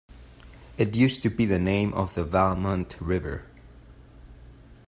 It used to be the name of the Valmont River.